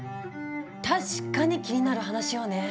確かに気になる話よね。